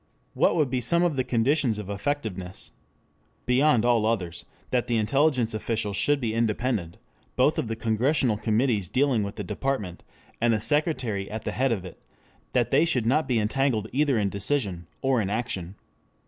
What would be some of the conditions of effectiveness? Beyond all others that the intelligence officials should be independent both of the Congressional Committees dealing with that department, and of the Secretary at the head of it; that they should not be entangled either in decision or in action.